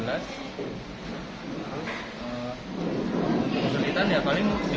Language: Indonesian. lokume fifa mungkir